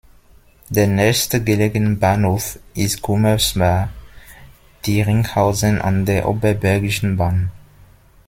Der nächstgelegene Bahnhof ist Gummersbach-Dieringhausen an der Oberbergischen Bahn.